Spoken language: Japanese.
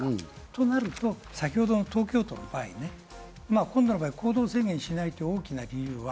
となると、先ほどの東京都の場合、今回の場合、行動制限しないとなる。